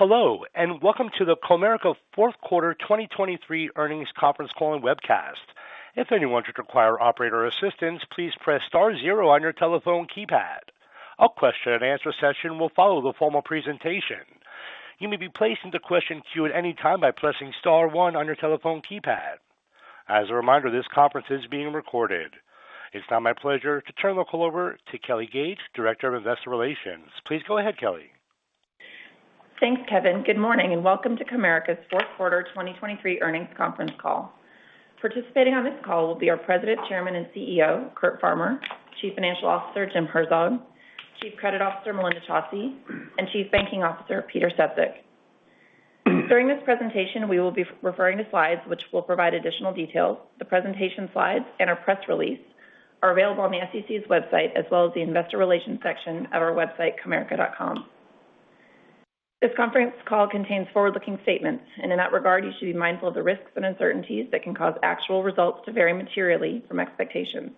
Hello and welcome to the Comerica fourth quarter 2023 earnings conference call and webcast. If anyone should require operator assistance, please press star zero on your telephone keypad. A question-and-answer session will follow the formal presentation. You may be placed into question queue at any time by pressing star one on your telephone keypad. As a reminder, this conference is being recorded. It's now my pleasure to turn the call over to Kelly Gage, Director of Investor Relations. Please go ahead, Kelly. Thanks, Kevin. Good morning, and welcome to Comerica's fourth quarter 2023 earnings conference call. Participating on this call will be our President, Chairman, and CEO, Curt Farmer; Chief Financial Officer, Jim Herzog; Chief Credit Officer, Melinda Chausse; and Chief Banking Officer, Peter Sefzik. During this presentation, we will be referring to slides which will provide additional details. The presentation slides and our press release are available on the SEC's website, as well as the investor relations section of our website, comerica.com. This conference call contains forward-looking statements, and in that regard, you should be mindful of the risks and uncertainties that can cause actual results to vary materially from expectations.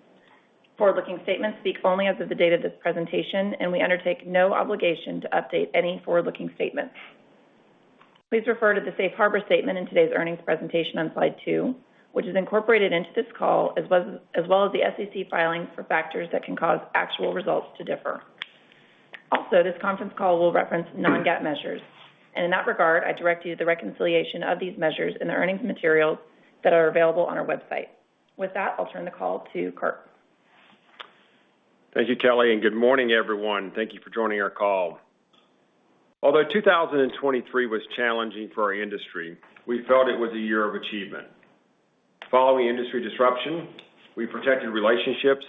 Forward-looking statements speak only as of the date of this presentation, and we undertake no obligation to update any forward-looking statements. Please refer to the safe harbor statement in today's earnings presentation on slide two, which is incorporated into this call, as well as the SEC filings for factors that can cause actual results to differ. Also, this conference call will reference non-GAAP measures, and in that regard, I direct you to the reconciliation of these measures in the earnings materials that are available on our website. With that, I'll turn the call to Curt. Thank you, Kelly, and good morning, everyone. Thank you for joining our call. Although 2023 was challenging for our industry, we felt it was a year of achievement. Following industry disruption, we protected relationships,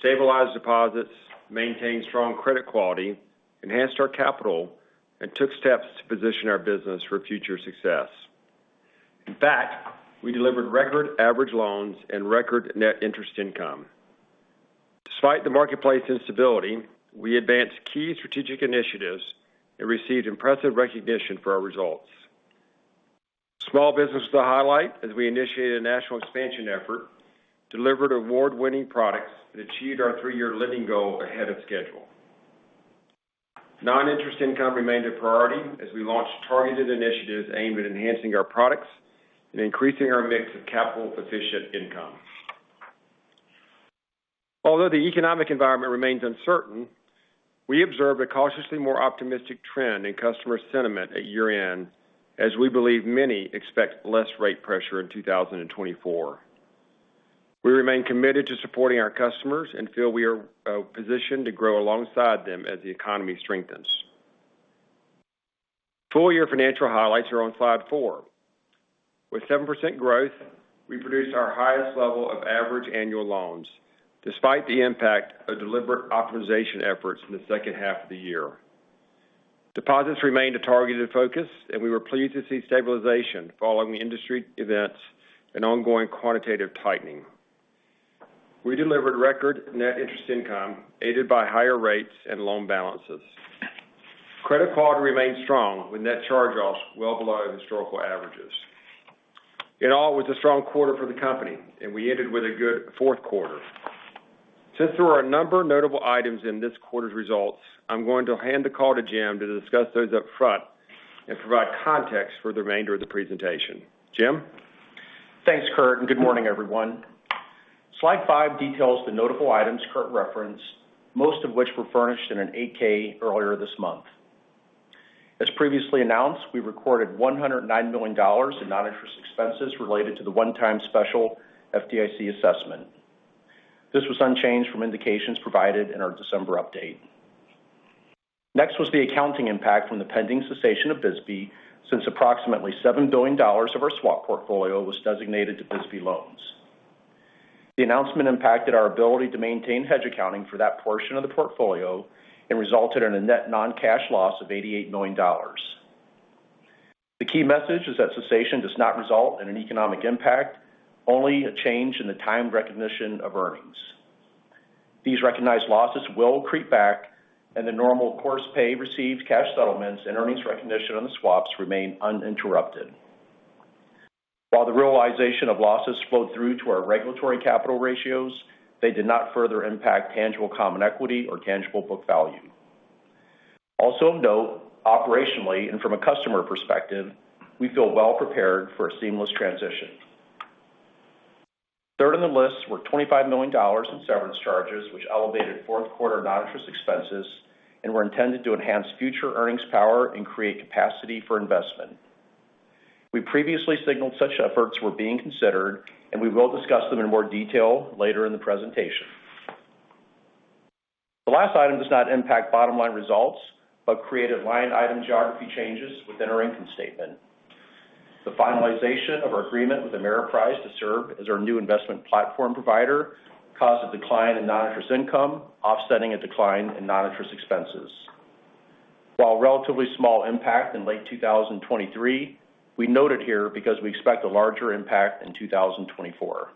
stabilized deposits, maintained strong credit quality, enhanced our capital, and took steps to position our business for future success. In fact, we delivered record average loans and record net interest income. Despite the marketplace instability, we advanced key strategic initiatives and received impressive recognition for our results. Small business was the highlight as we initiated a national expansion effort, delivered award-winning products, and achieved our three-year lending goal ahead of schedule. Non-interest income remained a priority as we launched targeted initiatives aimed at enhancing our products and increasing our mix of capital-efficient income. Although the economic environment remains uncertain, we observed a cautiously more optimistic trend in customer sentiment at year-end, as we believe many expect less rate pressure in 2024. We remain committed to supporting our customers and feel we are positioned to grow alongside them as the economy strengthens. Full year financial highlights are on slide four. With 7% growth, we produced our highest level of average annual loans, despite the impact of deliberate optimization efforts in the second half of the year. Deposits remained a targeted focus, and we were pleased to see stabilization following industry events and ongoing quantitative tightening. We delivered record net interest income, aided by higher rates and loan balances. Credit quality remained strong, with net charge-offs well below historical averages. In all, it was a strong quarter for the company, and we ended with a good fourth quarter. Since there are a number of notable items in this quarter's results, I'm going to hand the call to Jim to discuss those up front and provide context for the remainder of the presentation. Jim? Thanks, Curt, and good morning, everyone. Slide five details the notable items Curt referenced, most of which were furnished in an 8-K earlier this month. As previously announced, we recorded $109 million in non-interest expenses related to the one-time special FDIC assessment. This was unchanged from indications provided in our December update. Next was the accounting impact from the pending cessation of LIBOR, since approximately $7 billion of our swap portfolio was designated to LIBOR loans. The announcement impacted our ability to maintain hedge accounting for that portion of the portfolio and resulted in a net non-cash loss of $88 million. The key message is that cessation does not result in an economic impact, only a change in the timed recognition of earnings. These recognized losses will creep back, and the normal course pay received cash settlements and earnings recognition on the swaps remain uninterrupted. While the realization of losses flowed through to our regulatory capital ratios, they did not further impact tangible common equity or tangible book value. Also of note, operationally, and from a customer perspective, we feel well prepared for a seamless transition. Third on the list were $25 million in severance charges, which elevated fourth quarter non-interest expenses and were intended to enhance future earnings power and create capacity for investment. We previously signaled such efforts were being considered, and we will discuss them in more detail later in the presentation. The last item does not impact bottom-line results, but created line item geography changes within our income statement. The finalization of our agreement with Ameriprise to serve as our new investment platform provider caused a decline in non-interest income, offsetting a decline in non-interest expenses. While a relatively small impact in late 2023, we noted here because we expect a larger impact in 2024.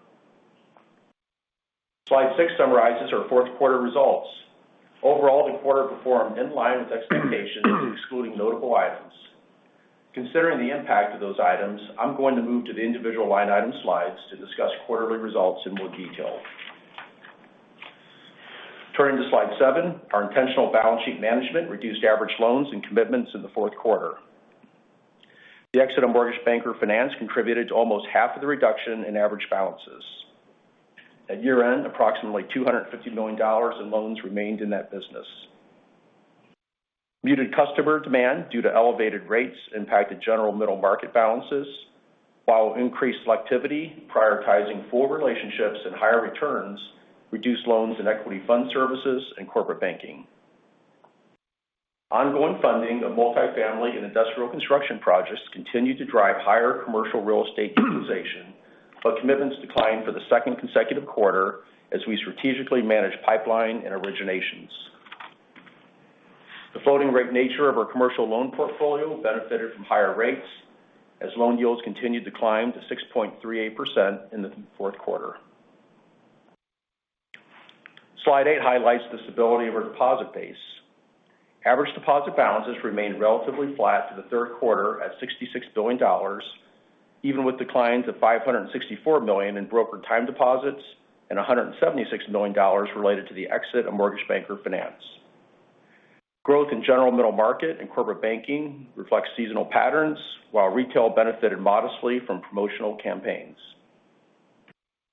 Slide six summarizes our fourth quarter results. Overall, the quarter performed in line with expectations, excluding notable items. Considering the impact of those items, I'm going to move to the individual line item slides to discuss quarterly results in more detail. Turning to slide seven, our intentional balance sheet management reduced average loans and commitments in the fourth quarter. The exit of Mortgage Banker Finance contributed to almost half of the reduction in average balances. At year-end, approximately $250 million in loans remained in that business. Muted customer demand due to elevated rates impacted General Middle Market balances, while increased selectivity, prioritizing full relationships and higher returns, reduced loans and equity fund services and Corporate Banking. Ongoing funding of multifamily and industrial construction projects continued to drive higher commercial real estate utilization, but commitments declined for the second consecutive quarter as we strategically managed pipeline and originations. The floating rate nature of our commercial loan portfolio benefited from higher rates, as loan yields continued to climb to 6.38% in the fourth quarter. Slide eight highlights the stability of our deposit base. Average deposit balances remained relatively flat to the third quarter at $66 billion, even with declines of $564 million in brokered time deposits and $176 million related to the exit of Mortgage Banker Finance. Growth in General Middle Market and corporate banking reflects seasonal patterns, while retail benefited modestly from promotional campaigns.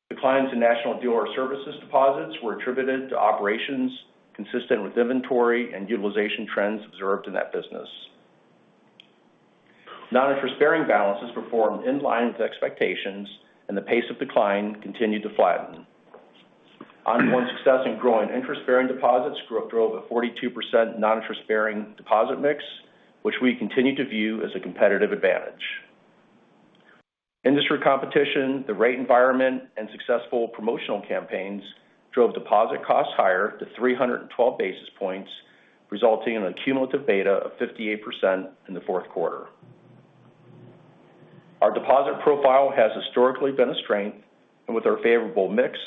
Declines in National Dealer Services deposits were attributed to operations consistent with inventory and utilization trends observed in that business. Non-interest-bearing balances performed in line with expectations, and the pace of decline continued to flatten. Ongoing success in growing interest-bearing deposits grew, drove a 42% non-interest-bearing deposit mix, which we continue to view as a competitive advantage. Industry competition, the rate environment, and successful promotional campaigns drove deposit costs higher to 312 basis points, resulting in a cumulative beta of 58% in the fourth quarter. Our deposit profile has historically been a strength, and with our favorable mix,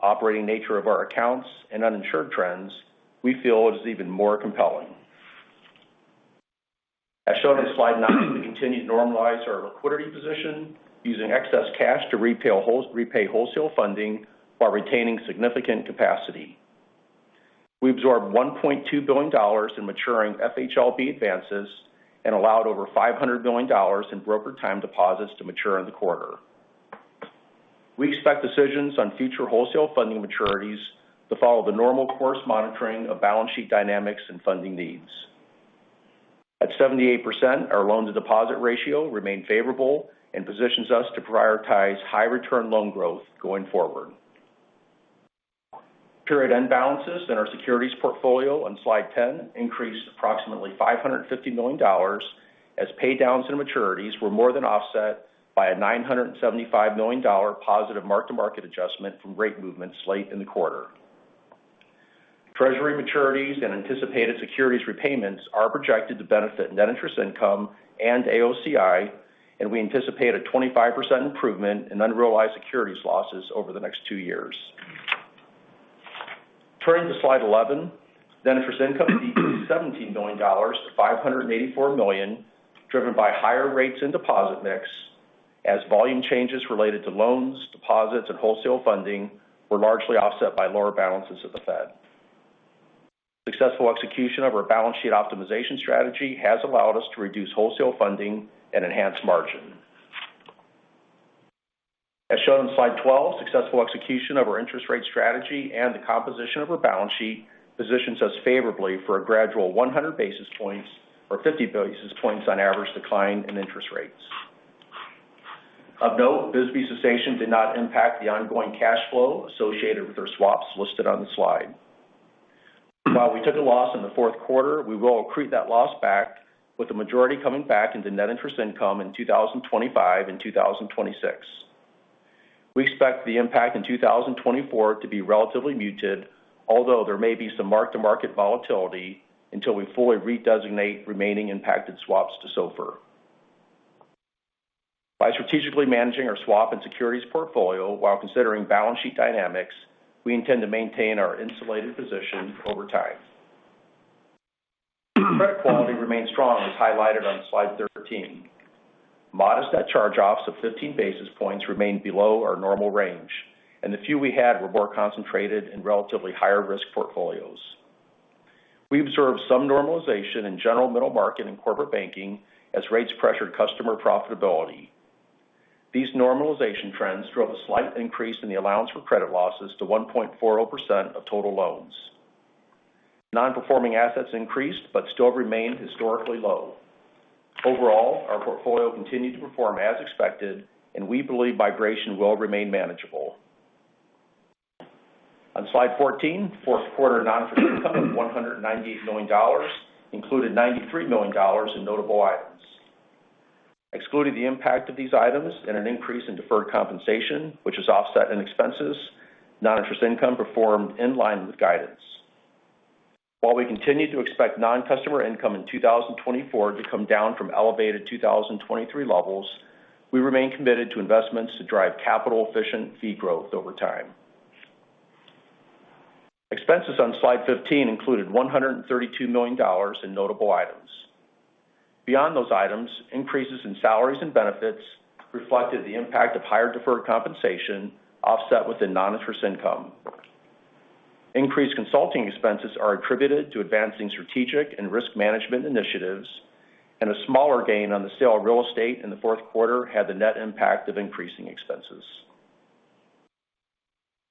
operating nature of our accounts, and uninsured trends, we feel it is even more compelling. As shown on slide nine, we continued to normalize our liquidity position, using excess cash to repay wholesale funding while retaining significant capacity. We absorbed $1.2 billion in maturing FHLB advances and allowed over $500 million in brokered time deposits to mature in the quarter. We expect decisions on future wholesale funding maturities to follow the normal course monitoring of balance sheet dynamics and funding needs. At 78%, our loan-to-deposit ratio remained favorable and positions us to prioritize high return loan growth going forward. Period end balances in our securities portfolio on slide 10 increased approximately $550 million, as pay downs and maturities were more than offset by a $975 million positive mark-to-market adjustment from rate movements late in the quarter. Treasury maturities and anticipated securities repayments are projected to benefit net interest income and AOCI, and we anticipate a 25% improvement in unrealized securities losses over the next two years. Turning to slide 11, net interest income decreased $17 million-$584 million, driven by higher rates in deposit mix, as volume changes related to loans, deposits, and wholesale funding were largely offset by lower balances at the Fed. Successful execution of our balance sheet optimization strategy has allowed us to reduce wholesale funding and enhance margin. As shown in slide 12, successful execution of our interest rate strategy and the composition of our balance sheet positions us favorably for a gradual 100 basis points or 50 basis points on average decline in interest rates. Of note, LIBOR cessation did not impact the ongoing cash flow associated with our swaps listed on the slide. While we took a loss in the fourth quarter, we will accrue that loss back, with the majority coming back into net interest income in 2025 and 2026. We expect the impact in 2024 to be relatively muted, although there may be some mark-to-market volatility until we fully redesignate remaining impacted swaps to SOFR. By strategically managing our swap and securities portfolio while considering balance sheet dynamics, we intend to maintain our insulated position over time. Credit quality remains strong, as highlighted on slide 13. Modest net charge-offs of 15 basis points remain below our normal range, and the few we had were more concentrated in relatively higher risk portfolios. We observed some normalization in general middle market and corporate banking as rates pressured customer profitability. These normalization trends drove a slight increase in the allowance for credit losses to 1.40% of total loans. Non-performing assets increased but still remain historically low. Overall, our portfolio continued to perform as expected, and we believe migration will remain manageable. On slide 14, fourth quarter non-interest income of $198 million included $93 million in notable items. Excluding the impact of these items and an increase in deferred compensation, which is offset in expenses, non-interest income performed in line with guidance. While we continue to expect non-customer income in 2024 to come down from elevated 2023 levels, we remain committed to investments to drive capital-efficient fee growth over time. Expenses on slide 15 included $132 million in notable items. Beyond those items, increases in salaries and benefits reflected the impact of higher deferred compensation, offset with the non-interest income. Increased consulting expenses are attributed to advancing strategic and risk management initiatives, and a smaller gain on the sale of real estate in the fourth quarter had the net impact of increasing expenses.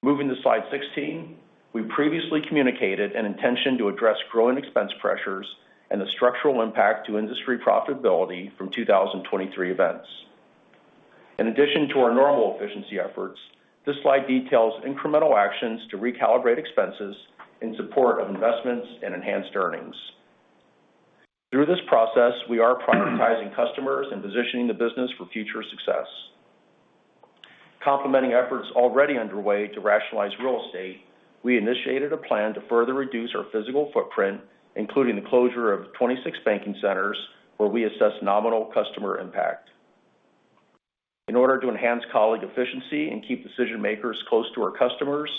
Moving to slide 16, we previously communicated an intention to address growing expense pressures and the structural impact to industry profitability from 2023 events. In addition to our normal efficiency efforts, this slide details incremental actions to recalibrate expenses in support of investments and enhanced earnings. Through this process, we are prioritizing customers and positioning the business for future success. Complementing efforts already underway to rationalize real estate, we initiated a plan to further reduce our physical footprint, including the closure of 26 banking centers, where we assess nominal customer impact. In order to enhance colleague efficiency and keep decision-makers close to our customers,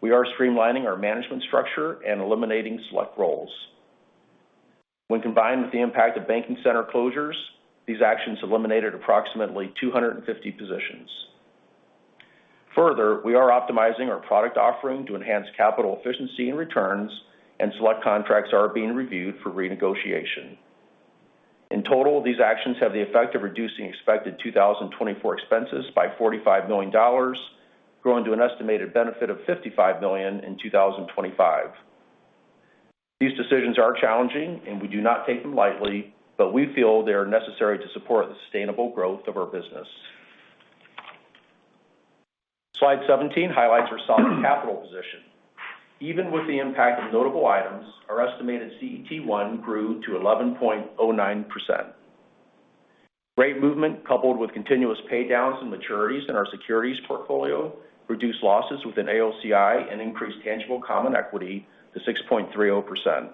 we are streamlining our management structure and eliminating select roles. When combined with the impact of banking center closures, these actions eliminated approximately 250 positions. Further, we are optimizing our product offering to enhance capital efficiency and returns, and select contracts are being reviewed for renegotiation. In total, these actions have the effect of reducing expected 2024 expenses by $45 million, growing to an estimated benefit of $55 million in 2025. These decisions are challenging, and we do not take them lightly, but we feel they are necessary to support the sustainable growth of our business. Slide 17 highlights our solid capital position. Even with the impact of notable items, our estimated CET1 grew to 11.09%. Great movement, coupled with continuous pay downs and maturities in our securities portfolio, reduced losses within AOCI and increased tangible common equity to 6.30%.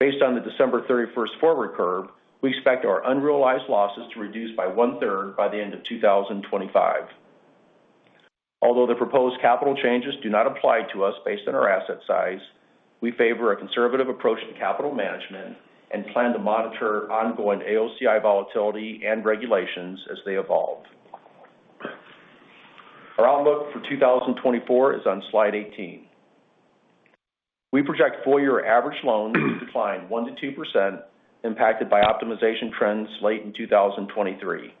Based on the December 31st forward curve, we expect our unrealized losses to reduce by 1/3 by the end of 2025. Although the proposed capital changes do not apply to us based on our asset size, we favor a conservative approach to capital management and plan to monitor ongoing AOCI volatility and regulations as they evolve. Our outlook for 2024 is on slide 18. We project full year average loans to decline 1%-2%, impacted by optimization trends late in 2023.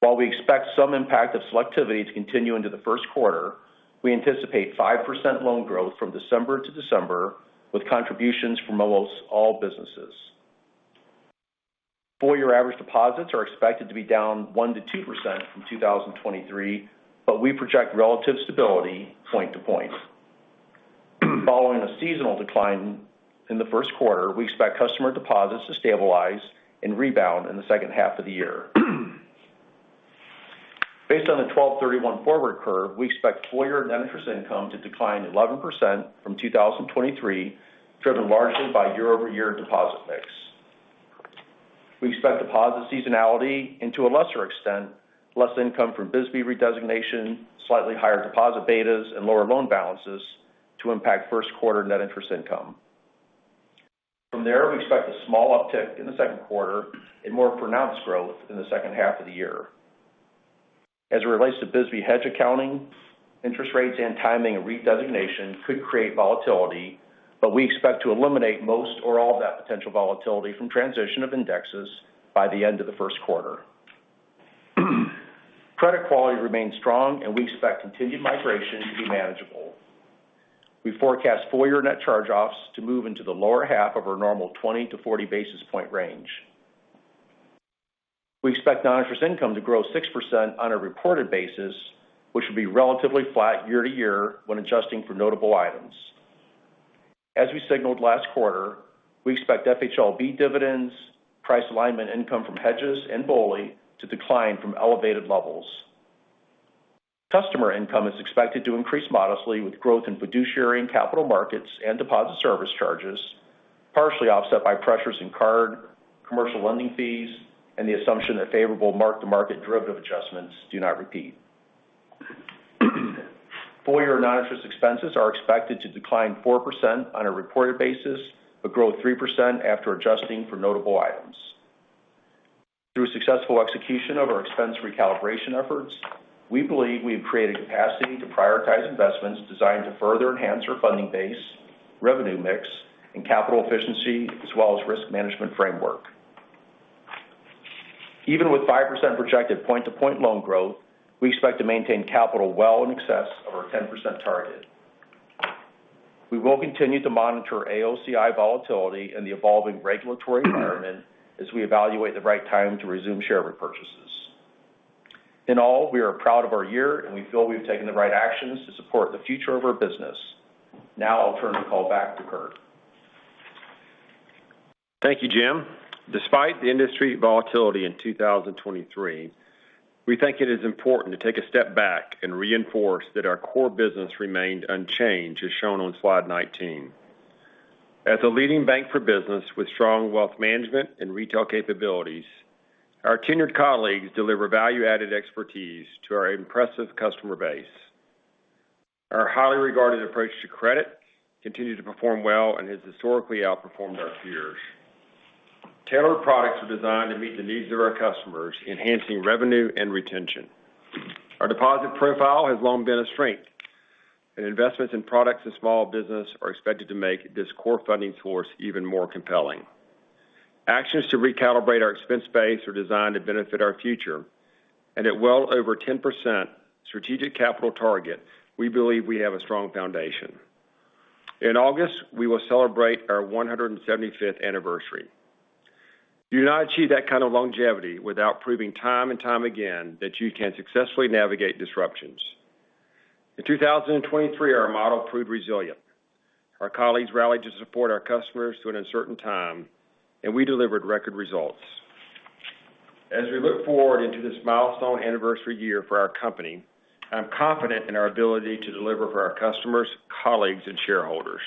While we expect some impact of selectivity to continue into the first quarter, we anticipate 5% loan growth from December to December, with contributions from almost all businesses. Full year average deposits are expected to be down 1%-2% from 2023, but we project relative stability point to point. Following a seasonal decline in the first quarter, we expect customer deposits to stabilize and rebound in the second half of the year. Based on the 12/31 Forward Curve, we expect full year net interest income to decline 11% from 2023, driven largely by year-over-year deposit mix. We expect deposit seasonality to a lesser extent, less income from BSBY redesignation, slightly higher deposit betas and lower loan balances to impact first quarter net interest income. From there, we expect a small uptick in the second quarter and more pronounced growth in the second half of the year. As it relates to BSBY hedge accounting, interest rates and timing of redesignation could create volatility, but we expect to eliminate most or all of that potential volatility from transition of indexes by the end of the first quarter. Credit quality remains strong, and we expect continued migration to be manageable. We forecast full year net charge-offs to move into the lower half of our normal 20-40 basis point range. We expect non-interest income to grow 6% on a reported basis, which will be relatively flat year-over-year when adjusting for notable items. As we signaled last quarter, we expect FHLB dividends, price alignment income from hedges and BOLI to decline from elevated levels. Customer income is expected to increase modestly with growth in fiduciary and capital markets and deposit service charges, partially offset by pressures in card, commercial lending fees, and the assumption that favorable mark-to-market derivative adjustments do not repeat. Full year non-interest expenses are expected to decline 4% on a reported basis, but grow 3% after adjusting for notable items. Through successful execution of our expense recalibration efforts, we believe we have created capacity to prioritize investments designed to further enhance our funding base, revenue mix, and capital efficiency, as well as risk management framework. Even with 5% projected point-to-point loan growth, we expect to maintain capital well in excess of our 10% target. We will continue to monitor AOCI volatility and the evolving regulatory environment as we evaluate the right time to resume share repurchases. In all, we are proud of our year, and we feel we've taken the right actions to support the future of our business. Now I'll turn the call back to Curt. Thank you, Jim. Despite the industry volatility in 2023, we think it is important to take a step back and reinforce that our core business remained unchanged, as shown on slide 19. As a leading bank for business with strong Wealth Management and Retail Capabilities, our tenured colleagues deliver value-added expertise to our impressive customer base. Our highly regarded approach to credit continued to perform well and has historically outperformed our peers. Tailored products are designed to meet the needs of our customers, enhancing revenue and retention. Our deposit profile has long been a strength, and investments in products and small business are expected to make this core funding source even more compelling. Actions to recalibrate our expense base are designed to benefit our future. At well over 10% strategic capital target, we believe we have a strong foundation. In August, we will celebrate our 175th anniversary. You do not achieve that kind of longevity without proving time and time again that you can successfully navigate disruptions. In 2023, our model proved resilient. Our colleagues rallied to support our customers through an uncertain time, and we delivered record results. As we look forward into this milestone anniversary year for our company, I'm confident in our ability to deliver for our customers, colleagues, and shareholders.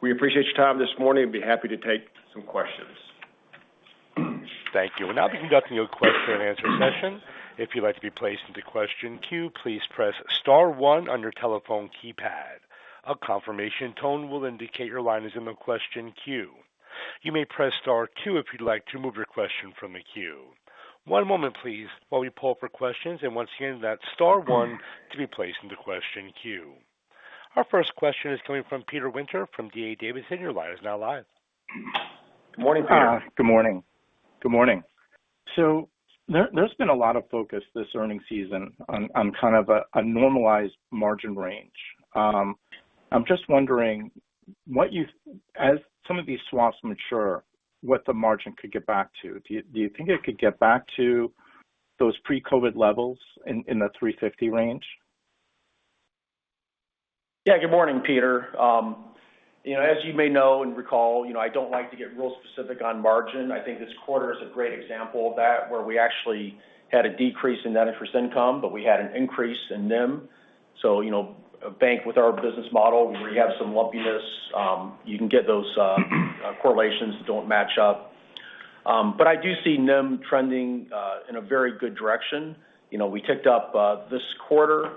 We appreciate your time this morning, and be happy to take some questions. Thank you. We'll now be conducting your question and answer session. If you'd like to be placed into question queue, please press star one on your telephone keypad. A confirmation tone will indicate your line is in the question queue. You may press star two if you'd like to remove your question from the queue. One moment please, while we pull up for questions, and once again, that's star one to be placed in the question queue. Our first question is coming from Peter Winter from D.A. Davidson. Your line is now live. Good morning, Peter. Good morning. Good morning. So there's been a lot of focus this earnings season on kind of a normalized margin range. I'm just wondering, what you as some of these swaps mature, what the margin could get back to? Do you think it could get back to those pre-COVID levels in the 3.50 range? Yeah, good morning, Peter. You know, as you may know and recall, you know, I don't like to get real specific on margin. I think this quarter is a great example of that, where we actually had a decrease in net interest income, but we had an increase in NIM. So, you know, a bank with our business model, where you have some lumpiness, you can get those correlations that don't match up. But I do see NIM trending in a very good direction. You know, we ticked up this quarter.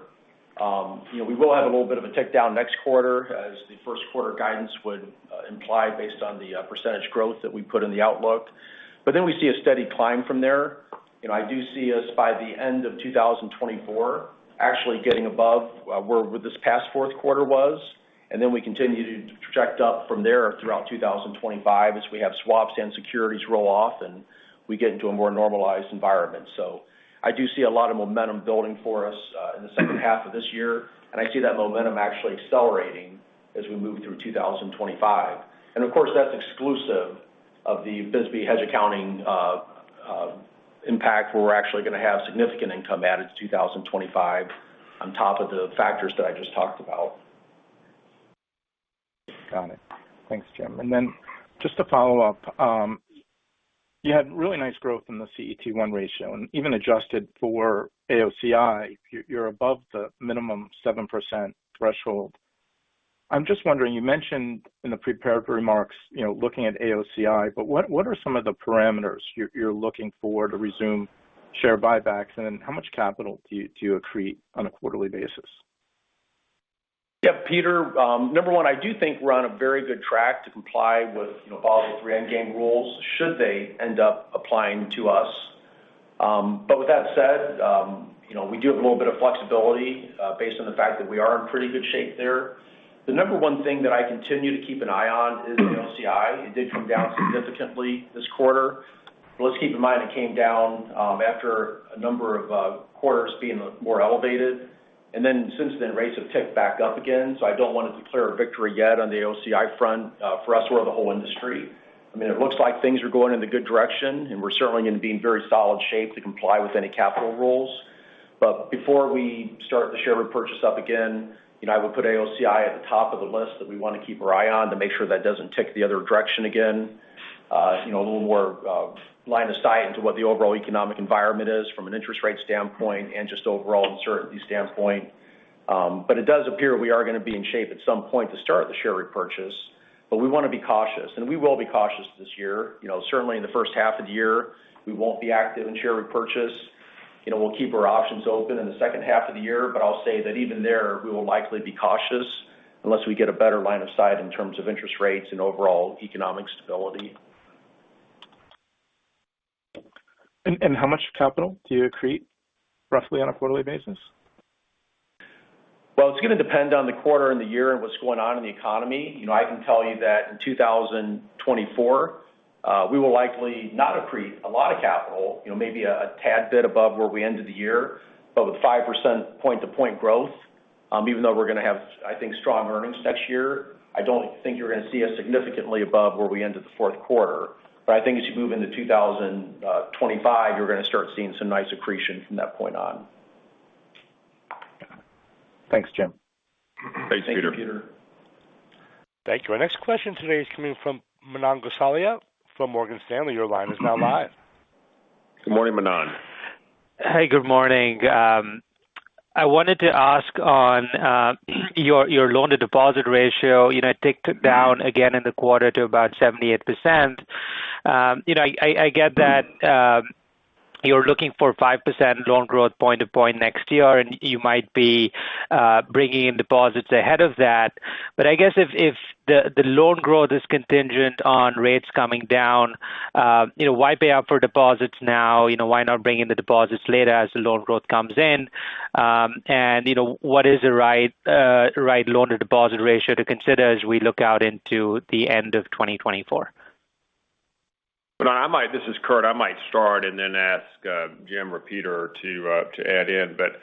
You know, we will have a little bit of a tick down next quarter, as the first quarter guidance would imply based on the percentage growth that we put in the outlook. But then we see a steady climb from there. You know, I do see us, by the end of 2024, actually getting above where this past fourth quarter was, and then we continue to project up from there throughout 2025 as we have swaps and securities roll off, and we get into a more normalized environment. So I do see a lot of momentum building for us in the second half of this year, and I see that momentum actually accelerating as we move through 2025. And of course, that's exclusive of the BSBY hedge accounting impact, where we're actually going to have significant income added to 2025 on top of the factors that I just talked about. Got it. Thanks, Jim. Then just to follow up, you had really nice growth in the CET1 ratio, and even adjusted for AOCI, you're above the minimum 7% threshold. I'm just wondering, you mentioned in the prepared remarks, you know, looking at AOCI, but what are some of the parameters you're looking for to resume share buybacks? And then how much capital do you accrete on a quarterly basis? Yeah, Peter, number one, I do think we're on a very good track to comply with, you know, all the three endgame rules, should they end up applying to us. But with that said, you know, we do have a little bit of flexibility, based on the fact that we are in pretty good shape there. The number one thing that I continue to keep an eye on is the AOCI. It did come down significantly this quarter. But let's keep in mind, it came down, after a number of quarters being more elevated. And then since then, rates have ticked back up again, so I don't want to declare a victory yet on the AOCI front, for us or the whole industry. I mean, it looks like things are going in the good direction, and we're certainly going to be in very solid shape to comply with any capital rules. But before we start the share repurchase up again, you know, I would put AOCI at the top of the list that we want to keep our eye on to make sure that doesn't tick the other direction again. You know, a little more line of sight into what the overall economic environment is from an interest rate standpoint and just overall uncertainty standpoint. But it does appear we are going to be in shape at some point to start the share repurchase, but we want to be cautious, and we will be cautious this year. You know, certainly in the first half of the year, we won't be active in share repurchase. You know, we'll keep our options open in the second half of the year, but I'll say that even there, we will likely be cautious unless we get a better line of sight in terms of interest rates and overall economic stability. How much capital do you accrete roughly on a quarterly basis? Well, it's going to depend on the quarter and the year, and what's going on in the economy. You know, I can tell you that in 2024, we will likely not accrete a lot of capital, you know, maybe a, a tad bit above where we ended the year. But with 5% point-to-point growth, even though we're going to have, I think, strong earnings next year, I don't think you're going to see us significantly above where we ended the fourth quarter. But I think as you move into 2025, you're going to start seeing some nice accretion from that point on. Thanks, Jim. Thanks, Peter. Thank you. Our next question today is coming from Manan Gosalia from Morgan Stanley. Your line is now live. Good morning, Manan. Hey, good morning. I wanted to ask on your loan-to-deposit ratio, you know, it ticked down again in the quarter to about 78%. You know, I get that you're looking for 5% loan growth point-to-point next year, and you might be bringing in deposits ahead of that. But I guess if the loan growth is contingent on rates coming down, you know, why pay out for deposits now? You know, why not bring in the deposits later as the loan growth comes in? And, you know, what is the right loan-to-deposit ratio to consider as we look out into the end of 2024? But I might, this is Curt, I might start and then ask Jim or Peter to add in. But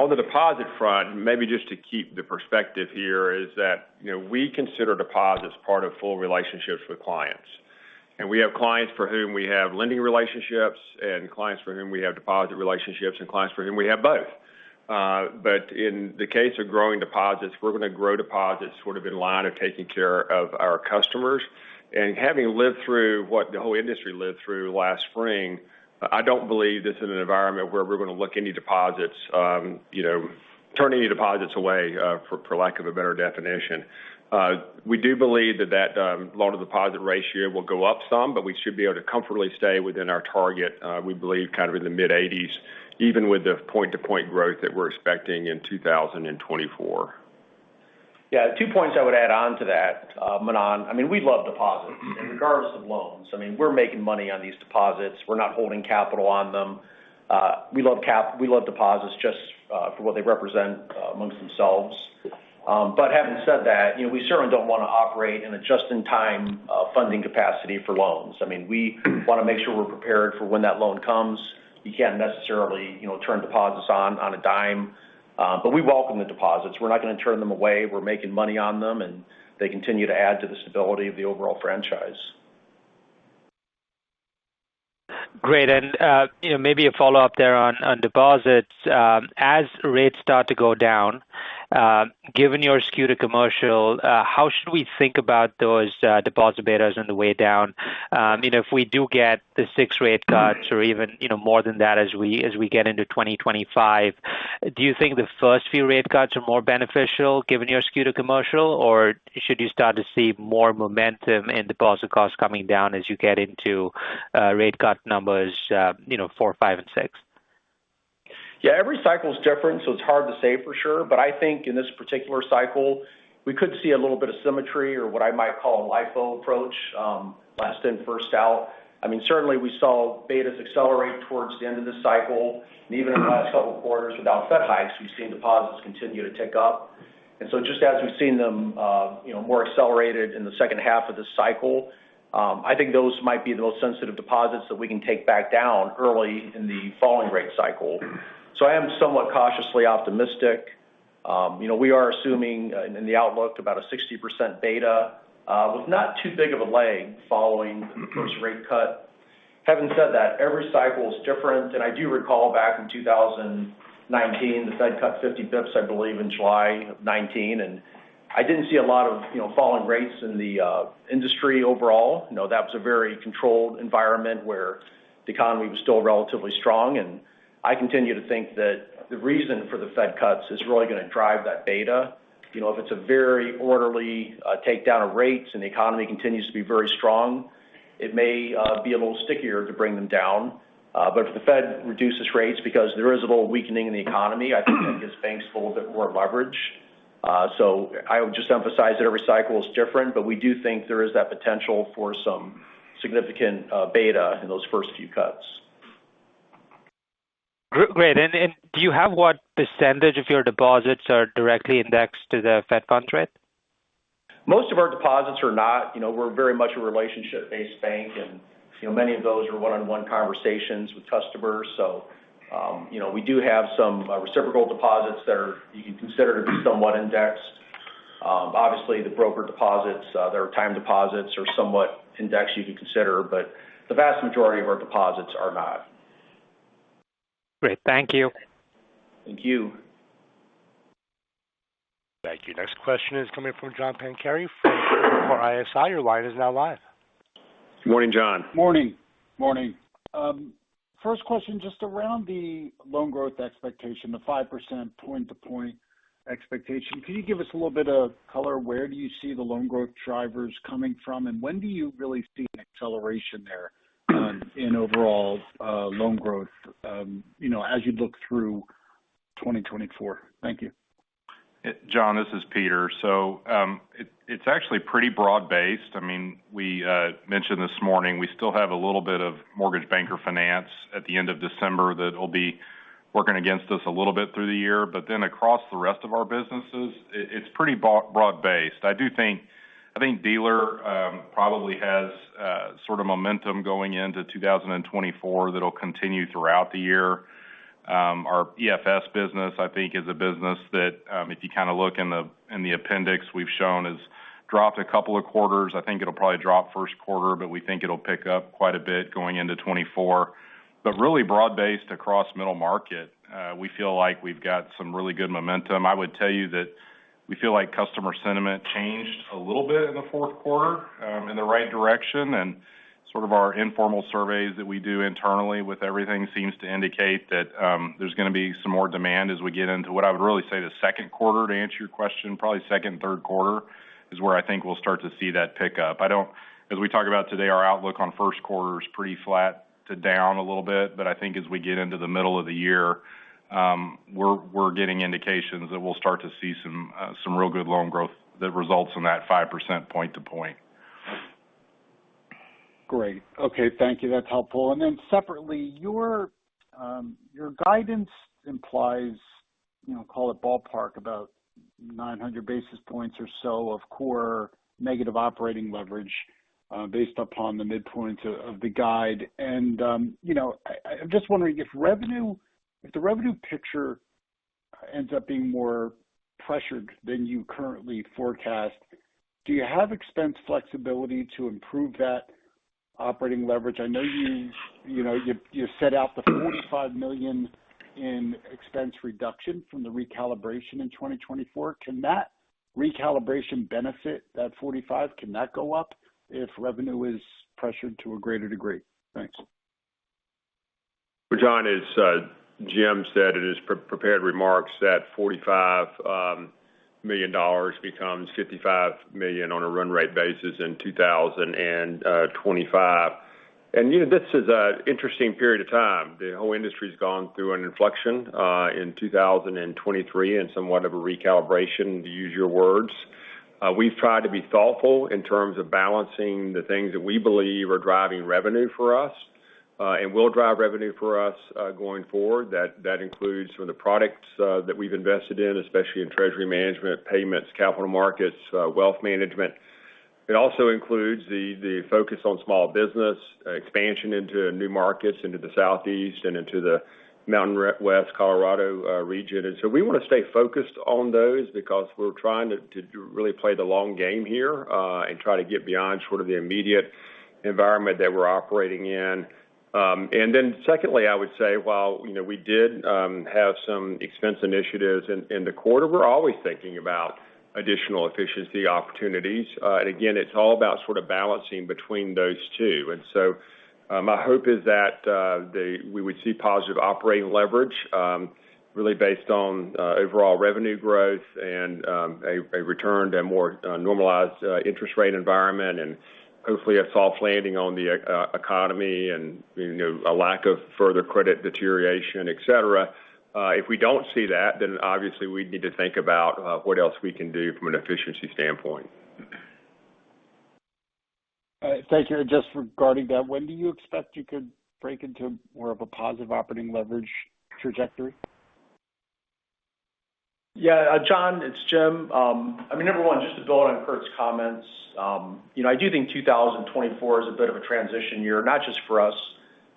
on the deposit front, maybe just to keep the perspective here, is that, you know, we consider deposits part of full relationships with clients. And we have clients for whom we have lending relationships and clients for whom we have deposit relationships and clients for whom we have both. But in the case of growing deposits, we're going to grow deposits sort of in line of taking care of our customers. And having lived through what the whole industry lived through last spring, I don't believe this is an environment where we're going to, you know, turn any deposits away, for lack of a better definition. We do believe that that loan-to-deposit ratio will go up some, but we should be able to comfortably stay within our target. We believe kind of in the mid-80s, even with the point-to-point growth that we're expecting in 2024. Yeah, two points I would add on to that, Manan. I mean, we love deposits, regardless of loans. I mean, we're making money on these deposits. We're not holding capital on them. We love deposits just for what they represent amongst themselves. But having said that, you know, we certainly don't want to operate in a just-in-time funding capacity for loans. I mean, we want to make sure we're prepared for when that loan comes. You can't necessarily, you know, turn deposits on a dime, but we welcome the deposits. We're not going to turn them away. We're making money on them, and they continue to add to the stability of the overall franchise. Great. And, you know, maybe a follow-up there on, on deposits. As rates start to go down, given your skew to commercial, how should we think about those deposit betas on the way down? You know, if we do get the six rate cuts or even, you know, more than that as we get into 2025, do you think the first few rate cuts are more beneficial given your skew to commercial, or should you start to see more momentum in deposit costs coming down as you get into rate cut numbers, you know, four, five, and six? Yeah, every cycle is different, so it's hard to say for sure, but I think in this particular cycle, we could see a little bit of symmetry or what I might call a LIFO approach, last in, first out. I mean, certainly we saw betas accelerate towards the end of the cycle, and even in the last couple of quarters without Fed hikes, we've seen deposits continue to tick up. And so just as we've seen them, you know, more accelerated in the second half of this cycle, I think those might be the most sensitive deposits that we can take back down early in the falling rate cycle. So I am somewhat cautiously optimistic. You know, we are assuming in the outlook about a 60% beta, with not too big of a lag following the first rate cut. Having said that, every cycle is different, and I do recall back in 2019, the Fed cut 50 basis points, I believe, in July of 2019, and I didn't see a lot of, you know, falling rates in the, industry overall. You know, that was a very controlled environment where the economy was still relatively strong, and I continue to think that the reason for the Fed cuts is really going to drive that beta. You know, if it's a very orderly, takedown of rates and the economy continues to be very strong, it may, be a little stickier to bring them down. But if the Fed reduces rates because there is a little weakening in the economy, I think it gives banks a little bit more leverage. So I would just emphasize that every cycle is different, but we do think there is that potential for some significant beta in those first few cuts. Great. And do you have what percentage of your deposits are directly indexed to the Fed fund rate? Most of our deposits are not. You know, we're very much a relationship-based bank, and, you know, many of those are one-on-one conversations with customers. So, you know, we do have some reciprocal deposits that are, you can consider, to be somewhat indexed. Obviously, the broker deposits, their time deposits are somewhat indexed, you can consider, but the vast majority of our deposits are not. Great. Thank you. Thank you. Thank you. Next question is coming from John Pancari from [Evercore] ISI. Your line is now live. Morning, John. Morning, morning. First question, just around the loan growth expectation, the 5% point-to-point expectation. Can you give us a little bit of color? Where do you see the loan growth drivers coming from, and when do you really see an acceleration there, in overall loan growth, you know, as you look through 2024? Thank you. John, this is Peter. So, it's actually pretty broad-based. I mean, we mentioned this morning, we still have a little bit of Mortgage Banker Finance at the end of December that will be working against us a little bit through the year. But then across the rest of our businesses, it's pretty broad-based. I do think, I think dealer probably has sort of momentum going into 2024 that'll continue throughout the year. Our EFS business, I think, is a business that, if you kind of look in the, in the appendix, we've shown has dropped a couple of quarters. I think it'll probably drop first quarter, but we think it'll pick up quite a bit going into 2024. But really broad-based across middle market, we feel like we've got some really good momentum. I would tell you that we feel like customer sentiment changed a little bit in the fourth quarter, in the right direction, and sort of our informal surveys that we do internally with everything seems to indicate that, there's going to be some more demand as we get into what I would really say the second quarter, to answer your question. Probably second and third quarter is where I think we'll start to see that pick up. I don't, as we talk about today, our outlook on first quarter is pretty flat to down a little bit, but I think as we get into the middle of the year, we're getting indications that we'll start to see some, some real good loan growth that results from that 5% point to point. Great. Okay, thank you. That's helpful. And then separately, your, your guidance implies, you know, call it ballpark, about 900 basis points or so of core negative operating leverage, based upon the midpoint of, of the guide. And, you know, I'm just wondering if the revenue picture ends up being more pressured than you currently forecast? Do you have expense flexibility to improve that operating leverage? I know you, you know, you, you set out the $45 million in expense reduction from the recalibration in 2024. Can that recalibration benefit, that $45 million, can that go up if revenue is pressured to a greater degree? Thanks. Well, John, as Jim said in his prepared remarks, that $45 million becomes $55 million on a run rate basis in 2025. And, you know, this is an interesting period of time. The whole industry's gone through an inflection in 2023 and somewhat of a recalibration, to use your words. We've tried to be thoughtful in terms of balancing the things that we believe are driving revenue for us and will drive revenue for us going forward. That includes sort of the products that we've invested in, especially in treasury management, payments, capital markets, wealth management. It also includes the focus on small business, expansion into new markets, into the Southeast and into the Mountain West Colorado region. And so we want to stay focused on those because we're trying to really play the long game here, and try to get beyond sort of the immediate environment that we're operating in. And then secondly, I would say, while, you know, we did have some expense initiatives in the quarter, we're always thinking about additional efficiency opportunities. And again, it's all about sort of balancing between those two. And so, my hope is that we would see positive operating leverage, really based on overall revenue growth and a return to a more normalized interest rate environment, and hopefully, a soft landing on the economy and, you know, a lack of further credit deterioration, etc. If we don't see that, then obviously we'd need to think about what else we can do from an efficiency standpoint. All right, thank you. Just regarding that, when do you expect you could break into more of a positive operating leverage trajectory? Yeah, John, it's Jim. I mean, number one, just to build on Curt's comments, you know, I do think 2024 is a bit of a transition year, not just for us,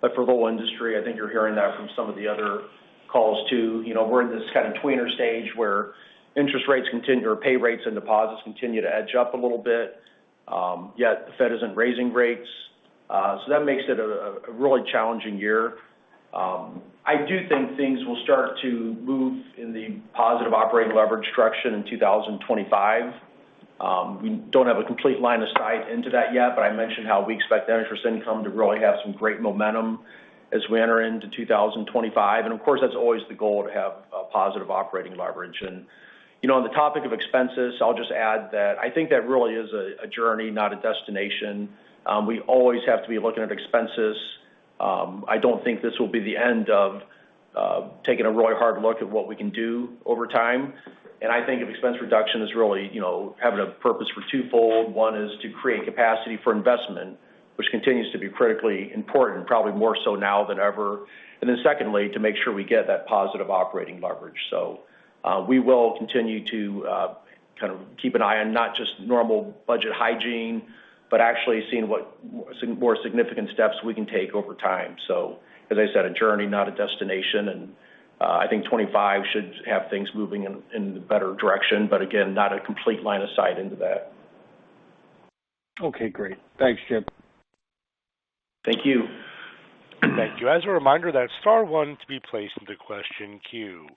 but for the whole industry. I think you're hearing that from some of the other calls, too. You know, we're in this kind of tweener stage where interest rates continue, or pay rates and deposits continue to edge up a little bit, yet the Fed isn't raising rates. So that makes it a really challenging year. I do think things will start to move in the positive operating leverage direction in 2025. We don't have a complete line of sight into that yet, but I mentioned how we expect that interest income to really have some great momentum as we enter into 2025. And of course, that's always the goal, to have a positive operating leverage. And, you know, on the topic of expenses, I'll just add that I think that really is a journey, not a destination. We always have to be looking at expenses. I don't think this will be the end of taking a really hard look at what we can do over time. And I think if expense reduction is really, you know, having a purpose for twofold, one is to create capacity for investment, which continues to be critically important, probably more so now than ever. And then secondly, to make sure we get that positive operating leverage. So, we will continue to kind of keep an eye on not just normal budget hygiene, but actually seeing what more significant steps we can take over time. So as I said, a journey, not a destination. And, I think 2025 should have things moving in the better direction, but again, not a complete line of sight into that. Okay, great. Thanks, Jim. Thank you. Thank you. As a reminder, that's star one to be placed in the question queue.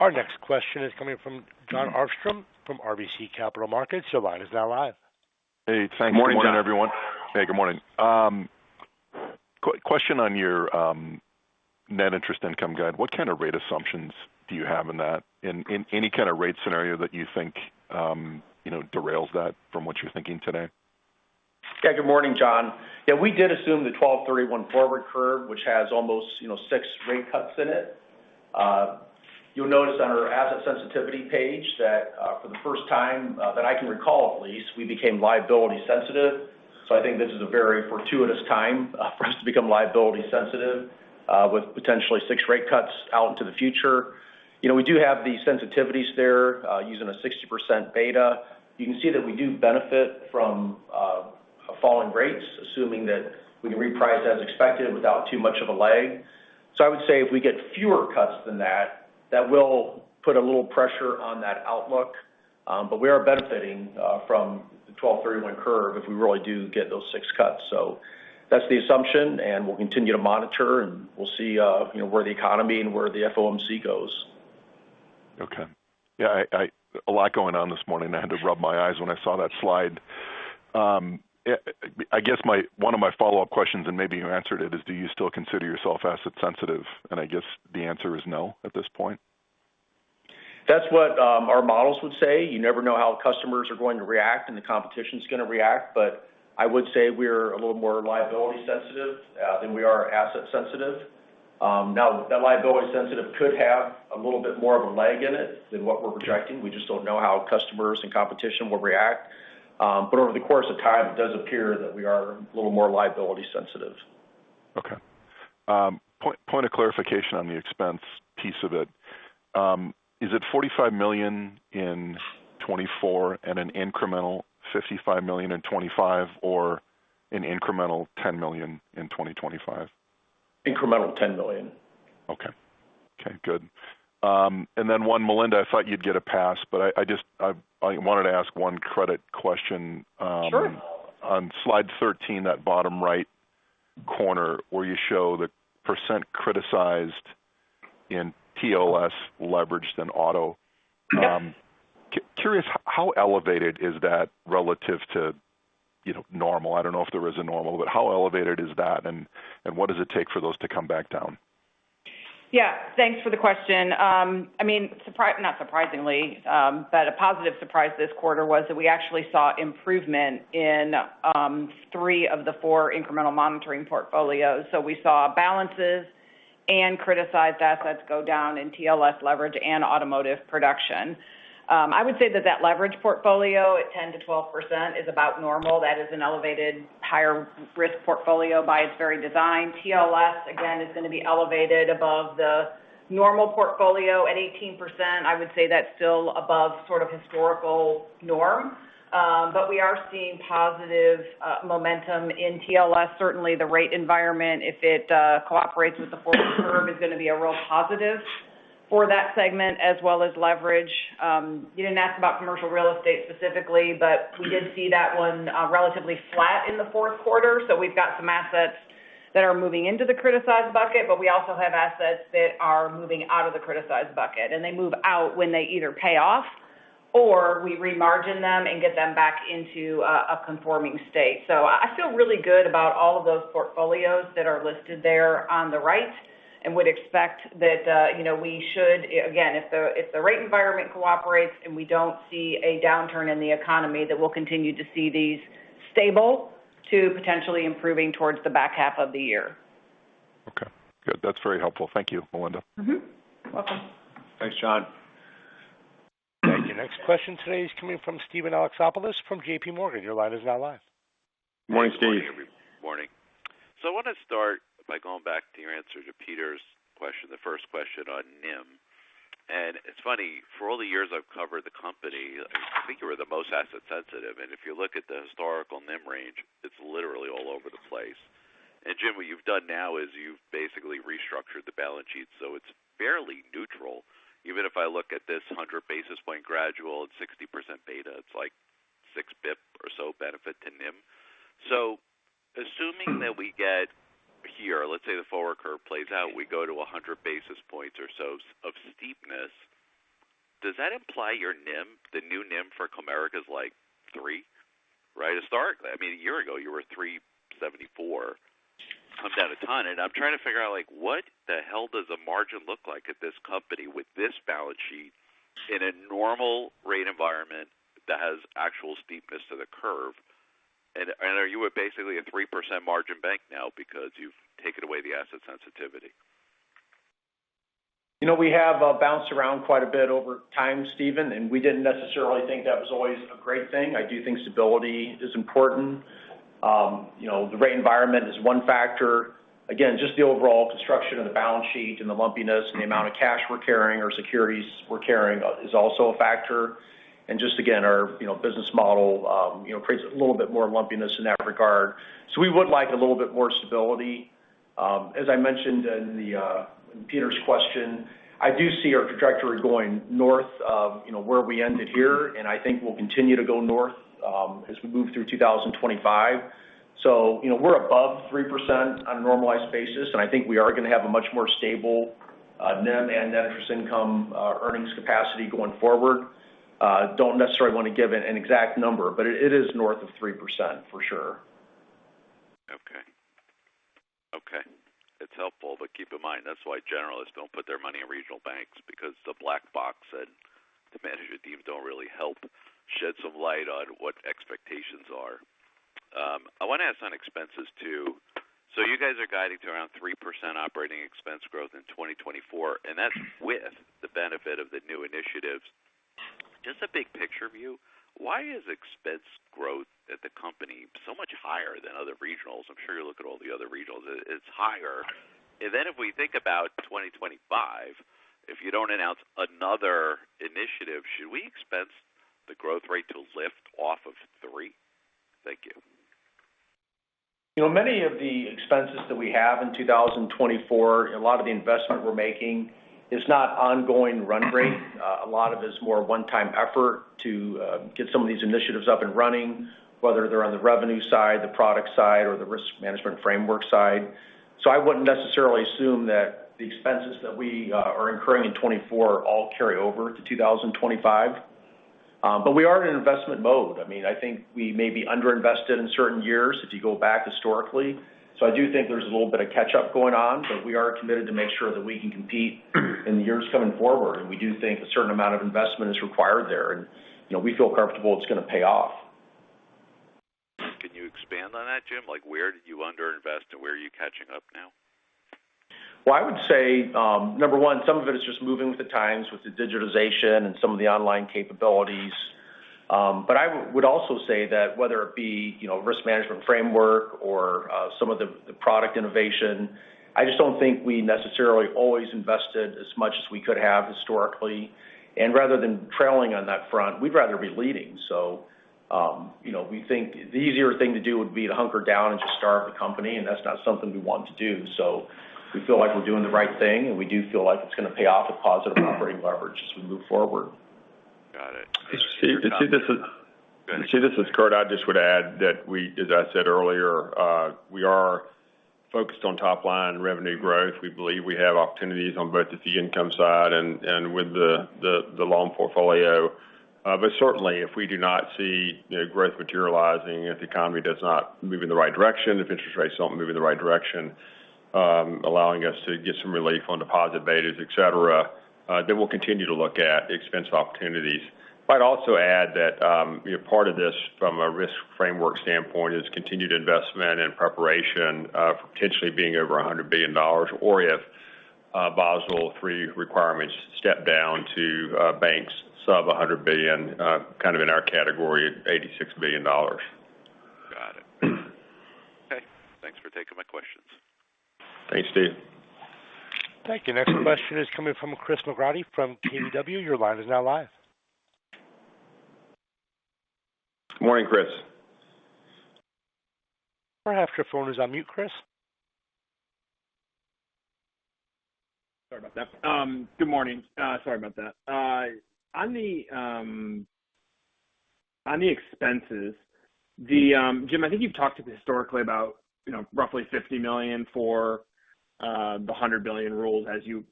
Our next question is coming from John Arfstrom from RBC Capital Markets. Your line is now live. Hey, thanks. Good morning, everyone. Hey, good morning. Question on your net interest income guide. What kind of rate assumptions do you have in that? In any kind of rate scenario that you think, you know, derails that from what you're thinking today? Yeah. Good morning, John. Yeah, we did assume the 12/31 Forward Curve, which has almost, you know, six rate cuts in it. You'll notice on our asset sensitivity page that, for the first time, that I can recall at least, we became liability sensitive. So I think this is a very fortuitous time, for us to become liability sensitive, with potentially six rate cuts out into the future. You know, we do have the sensitivities there, using a 60% beta. You can see that we do benefit from, a fall in rates, assuming that we can reprice as expected without too much of a lag. So I would say if we get fewer cuts than that, that will put a little pressure on that outlook. But we are benefiting from the 12/31 Curve if we really do get those six cuts. So that's the assumption, and we'll continue to monitor, and we'll see, you know, where the economy and where the FOMC goes. Okay. Yeah, A lot going on this morning. I had to rub my eyes when I saw that slide. I guess my one of my follow-up questions, and maybe you answered it, is do you still consider yourself asset sensitive? And I guess the answer is no at this point? That's what our models would say. You never know how customers are going to react, and the competition is going to react, but I would say we're a little more liability sensitive than we are asset sensitive. Now, that liability sensitive could have a little bit more of a leg in it than what we're projecting. We just don't know how customers and competition will react. But over the course of time, it does appear that we are a little more liability sensitive. Okay. Point of clarification on the expense piece of it. Is it $45 million in 2024 and an incremental $55 million in 2025, or an incremental $10 million in 2025? Incremental $10 million. Okay. Okay, good. And then one, Melinda, I thought you'd get a pass, but I just wanted to ask one credit question. Sure. On slide 13, that bottom right corner, where you show the percent criticized in TLS Leveraged in Auto. Yeah. Curious, how elevated is that relative to, you know, normal? I don't know if there is a normal, but how elevated is that, and, and what does it take for those to come back down? Yeah, thanks for the question. I mean, surprisingly, not surprisingly, but a positive surprise this quarter was that we actually saw improvement in three of the four incremental monitoring portfolios. So we saw balances and criticized assets go down in TLS leverage in Automotive Production. I would say that that leverage portfolio at 10%-12% is about normal. That is an elevated higher risk portfolio by its very design. TLS, again, is going to be elevated above the normal portfolio at 18%. I would say that's still above sort of historical norm, but we are seeing positive momentum in TLS. Certainly, the rate environment, if it cooperates with the Forward Curve, is going to be a real positive for that segment as well as leverage. You didn't ask about commercial real estate specifically, but we did see that one relatively flat in the fourth quarter. So we've got some assets that are moving into the criticized bucket, but we also have assets that are moving out of the criticized bucket. And they move out when they either pay off or we remargin them and get them back into a conforming state. So I feel really good about all of those portfolios that are listed there on the right and would expect that, you know, we should, again, if the rate environment cooperates and we don't see a downturn in the economy, that we'll continue to see these stable to potentially improving towards the back half of the year. Okay, good. That's very helpful. Thank you, Melinda. Mm-hmm, welcome. Thanks, Jon. Thank you. Next question today is coming from Steven Alexopoulos from JP Morgan. Your line is now live. Morning, Steve. Morning. So I want to start by going back to your answer to Peter's question, the first question on NIM. It's funny, for all the years I've covered the company, I think you were the most asset sensitive, and if you look at the historical NIM range, it's literally all over the place. Jim, what you've done now is you've basically restructured the balance sheet, so it's barely neutral. Even if I look at this 100 basis point gradual at 60% beta, it's like 6 BIP or so benefit to NIM. So assuming that we get here, let's say the forward curve plays out, we go to 100 basis points or so of steepness. Does that imply your NIM, the new NIM for Comerica is like 3%, right? Historically, I mean, a year ago, you were 3.74%, comes down a ton. I'm trying to figure out, like, what the hell does a margin look like at this company with this balance sheet in a normal rate environment that has actual steepness to the curve? Are you basically a 3% margin bank now because you've taken away the asset sensitivity? You know, we have bounced around quite a bit over time, Steven, and we didn't necessarily think that was always a great thing. I do think stability is important. You know, the rate environment is one factor. Again, just the overall construction of the balance sheet and the lumpiness and the amount of cash we're carrying or securities we're carrying is also a factor. And just again, our, you know, business model, you know, creates a little bit more lumpiness in that regard. So we would like a little bit more stability. As I mentioned in the Peter's question, I do see our trajectory going north of, you know, where we ended here, and I think we'll continue to go north, as we move through 2025. So you know, we're above 3% on a normalized basis, and I think we are going to have a much more stable, NIM and net interest income, earnings capacity going forward. Don't necessarily want to give an, an exact number, but it is north of 3%, for sure. Okay. Okay, it's helpful, but keep in mind, that's why generalists don't put their money in regional banks because the black box and the management teams don't really help shed some light on what expectations are. I want to ask on expenses, too. So you guys are guiding to around 3% operating expense growth in 2024, and that's with the benefit of the new initiatives. Just a big picture view, why is expense growth at the company so much higher than other regionals? I'm sure you look at all the other regionals, it's higher. And then if we think about 2025, if you don't announce another initiative, should we expect the growth rate to lift off of 3%? Thank you. You know, many of the expenses that we have in 2024, a lot of the investment we're making is not ongoing run rate. A lot of it is more one-time effort to get some of these initiatives up and running, whether they're on the revenue side, the product side, or the risk management framework side. So I wouldn't necessarily assume that the expenses that we are incurring in 2024 all carry over to 2025. But we are in an investment mode. I mean, I think we may be underinvested in certain years if you go back historically. So I do think there's a little bit of catch-up going on, but we are committed to make sure that we can compete in the years coming forward. We do think a certain amount of investment is required there, and, you know, we feel comfortable it's going to pay off. Can you expand on that, Jim? Like, where did you underinvest, and where are you catching up now? Well, I would say, number one, some of it is just moving with the times with the digitization and some of the online capabilities. But I would also say that whether it be, you know, risk management framework or some of the product innovation, I just don't think we necessarily always invested as much as we could have historically. And rather than trailing on that front, we'd rather be leading. So, you know, we think the easier thing to do would be to hunker down and just start the company, and that's not something we want to do. So we feel like we're doing the right thing, and we do feel like it's going to pay off with positive operating leverage as we move forward. Got it. See, this is Curt. I just would add that, as I said earlier, we are focused on top-line revenue growth. We believe we have opportunities on both the fee income side and with the loan portfolio. But certainly, if we do not see, you know, growth materializing, if the economy does not move in the right direction, if interest rates don't move in the right direction, allowing us to get some relief on deposit betas, etc., then we'll continue to look at expense opportunities. But I'd also add that, you know, part of this, from a risk framework standpoint, is continued investment in preparation of potentially being over $100 billion, or if Basel III requirements step down to banks sub $100 billion, kind of in our category, $86 billion. Got it. Okay, thanks for taking my questions. Thanks, Steve. Thank you. Next question is coming from Chris McGratty from KBW. Your line is now live. Morning, Chris. You might have your phone is on mute, Chris. Sorry about that. Good morning. Sorry about that. On the expenses, Jim, I think you've talked historically about, you know, roughly $50 million for the $100 billion rules as you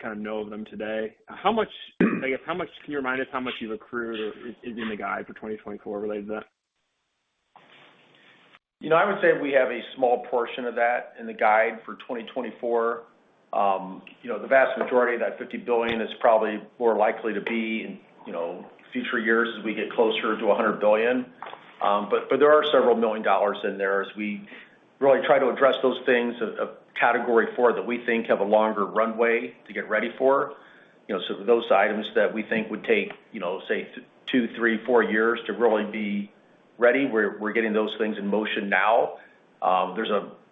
kind of know of them today. How much, I guess, can you remind us how much you've accrued or is in the guide for 2024 related to that? You know, I would say we have a small portion of that in the guide for 2024. You know, the vast majority of that $50 billion is probably more likely to be in, you know, future years as we get closer to $100 billion. But there are several million dollars in there as we really try to address those things of Category IV that we think have a longer runway to get ready for. You know, so those items that we think would take, you know, say two, three, four years to really be ready, we're getting those things in motion now.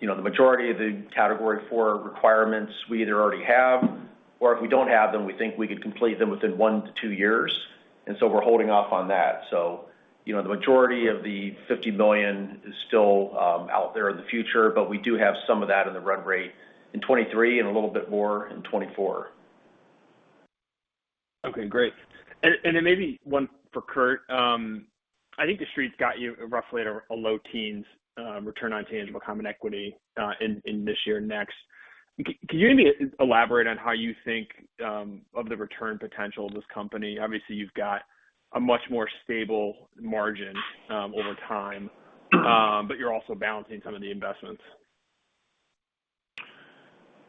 You know, the majority of the Category IV requirements we either already have, or if we don't have them, we think we could complete them within 1-2 years, and so we're holding off on that. So, you know, the majority of the $50 million is still out there in the future, but we do have some of that in the run rate in 2023 and a little bit more in 2024. Okay, great. Then maybe one for Curt. I think the Street's got you roughly at a low teens return on tangible common equity in this year and next. Can you maybe elaborate on how you think of the return potential of this company? Obviously, you've got a much more stable margin over time, but you're also balancing some of the investments.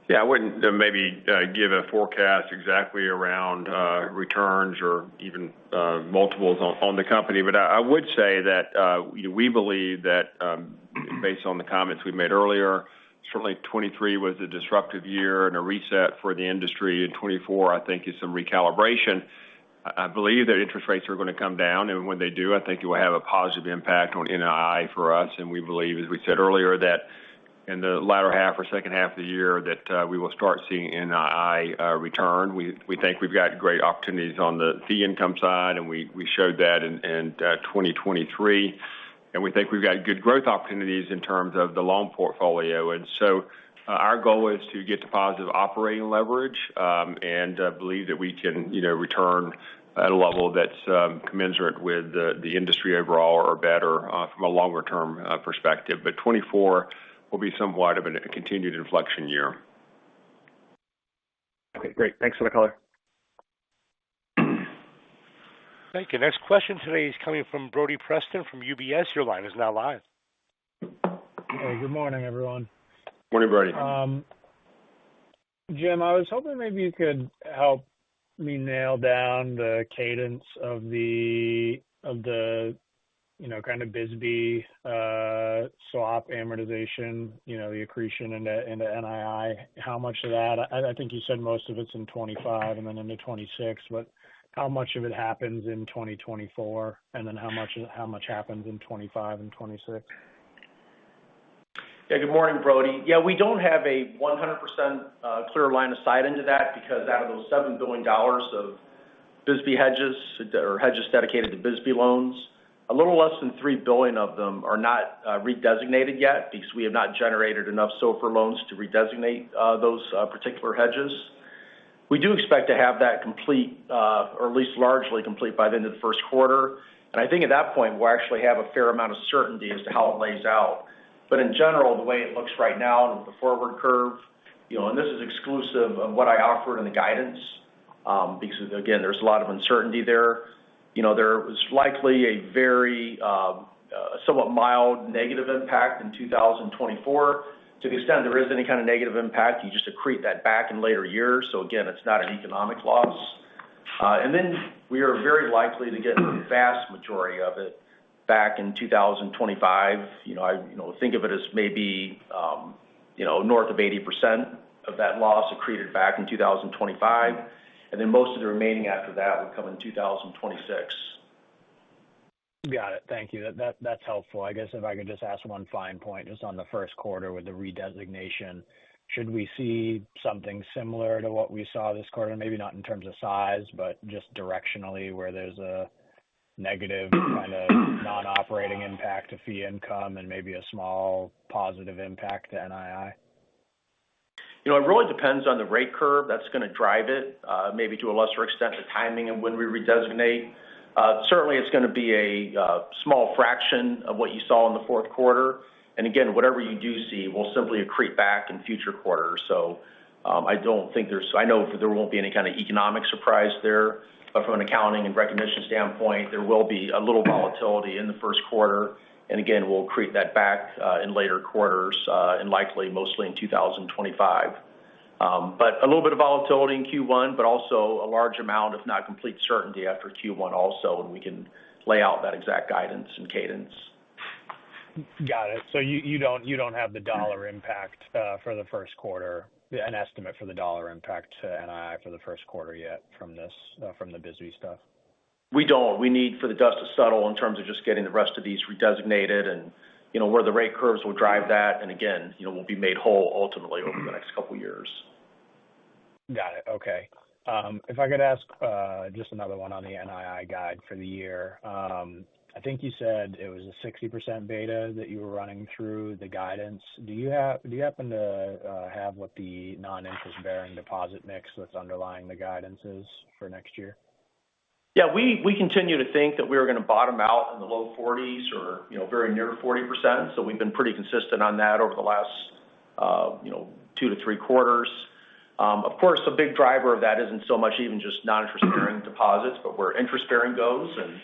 Yeah, I wouldn't maybe give a forecast exactly around returns or even multiples on, on the company. But I, I would say that we believe that, based on the comments we made earlier, certainly 2023 was a disruptive year and a reset for the industry. In 2024, I think it's some recalibration. I, I believe that interest rates are going to come down, and when they do, I think it will have a positive impact on NII for us. And we believe, as we said earlier, that in the latter half or second half of the year, that we will start seeing NII return. We, we think we've got great opportunities on the fee income side, and we, we showed that in, in 2023. And we think we've got good growth opportunities in terms of the loan portfolio. So, our goal is to get to positive operating leverage and believe that we can, you know, return at a level that's commensurate with the industry overall or better from a longer-term perspective. But 2024 will be somewhat of a continued inflection year. Okay, great. Thanks for the color. Thank you. Next question today is coming from Brody Preston from UBS. Your line is now live. Hey, good morning, everyone. Morning, Brody. Jim, I was hoping maybe you could help me nail down the cadence of the you know, kind of BSBY swap amortization, you know, the accretion in the NII. How much of that? I think you said most of it's in 2025 and then into 2026, but how much of it happens in 2024? And then how much happens in 2025 and 2026? Yeah. Good morning, Brody. Yeah, we don't have a 100%, clear line of sight into that, because out of those $7 billion of BSBY hedges or hedges dedicated to BSBY loans, a little less than $3 billion of them are not redesignated yet, because we have not generated enough SOFR loans to redesignate those particular hedges. We do expect to have that complete, or at least largely complete, by the end of the first quarter. And I think at that point, we'll actually have a fair amount of certainty as to how it lays out. But in general, the way it looks right now with the forward curve, you know, and this is exclusive of what I offered in the guidance, because again, there's a lot of uncertainty there. You know, there is likely a very, somewhat mild negative impact in 2024. To the extent there is any kind of negative impact, you just accrete that back in later years. So again, it's not an economic loss. And then we are very likely to get the vast majority of it back in 2025. You know, I, you know, think of it as maybe, you know, north of 80% of that loss accreted back in 2025, and then most of the remaining after that would come in 2026. Got it. Thank you. That, that's helpful. I guess if I could just ask one fine point, just on the first quarter with the redesignation. Should we see something similar to what we saw this quarter? Maybe not in terms of size, but just directionally, where there's a negative kind of non-operating impact to fee income and maybe a small positive impact to NII? You know, it really depends on the rate curve. That's going to drive it, maybe to a lesser extent, the timing of when we redesignate. Certainly, it's going to be a small fraction of what you saw in the fourth quarter. And again, whatever you do see, will simply accrete back in future quarters. So, I don't think there's. I know there won't be any kind of economic surprise there. But from an accounting and recognition standpoint, there will be a little volatility in the first quarter, and again, we'll accrete that back in later quarters, and likely mostly in 2025. But a little bit of volatility in Q1, but also a large amount, if not complete certainty after Q1 also, and we can lay out that exact guidance and cadence. Got it. So you don't have the dollar impact for the first quarter, an estimate for the dollar impact to NII for the first quarter yet from this, from the BOLI stuff? We don't. We need for the dust to settle in terms of just getting the rest of these redesignated and, you know, where the rate curves will drive that, and again, you know, we'll be made whole ultimately over the next couple of years. Got it. Okay. If I could ask, just another one on the NII guide for the year. I think you said it was a 60% beta that you were running through the guidance. Do you happen to have what the non-interest-bearing deposit mix that's underlying the guidances for next year? Yeah, we continue to think that we are going to bottom out in the low 40% or, you know, very near 40%. So we've been pretty consistent on that over the last, you know, two to three quarters. Of course, a big driver of that isn't so much even just non-interest-bearing deposits, but where interest-bearing goes. And,